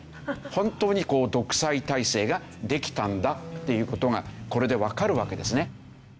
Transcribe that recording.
本当に独裁体制ができたんだっていう事がこれでわかるわけですね。